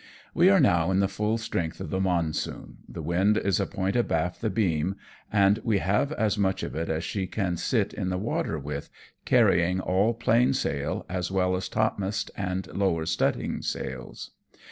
"We are now in the full strength of the monsoon, the wind is a point abaft the beam, and we have as much FROM NAGASAKI TO WOOSUNG. 209 of it as she can sit in the water with, carrying all plain sail, as well as topmast and lower studding sails.